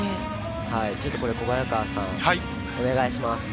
小早川さん、お願いします。